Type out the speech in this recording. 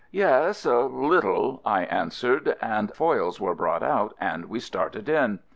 "Yes, a little," I answered, and foils were brought out and we started in.